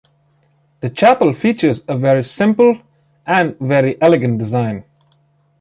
The chapel features a very simple and very elegant design.